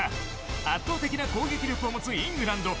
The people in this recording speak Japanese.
圧倒的な攻撃力を持つイングランド。